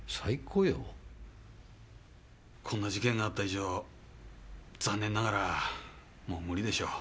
こんな事件があった以上残念ながらもう無理でしょう。